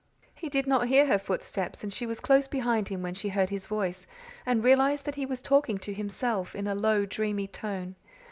He did not hear her footsteps, and she was close behind him when she heard his voice, and realized that he was talking to himself, in a low, dreamy tone.